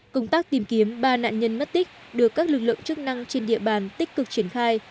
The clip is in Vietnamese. công tác tìm kiếm ba nạn nhân mất tích được các lực lượng chức năng trên địa bàn tích cực triển khai